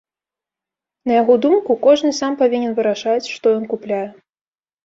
На яго думку, кожны сам павінен вырашаць, што ён купляе.